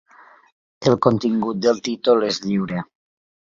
El contingut del títol és lliure.